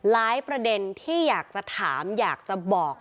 ประเด็นที่อยากจะถามอยากจะบอก